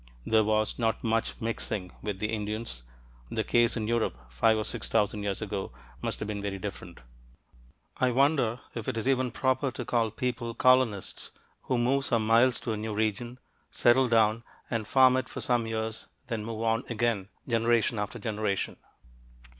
There was not much mixing with the Indians. The case in Europe five or six thousand years ago must have been very different. I wonder if it is even proper to call people "colonists" who move some miles to a new region, settle down and farm it for some years, then move on again, generation after generation?